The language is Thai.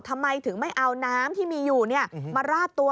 ทำไมถึงไม่เอาน้ำที่มีอยู่มาราดตัว